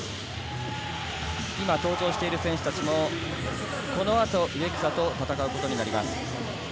今、登場している選手たちもこのあと植草と戦うことになります。